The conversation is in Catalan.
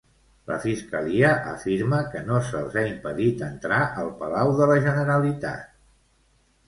La Fiscalia afirma que no se'ls ha impedit entrar al Palau de la Generalitat.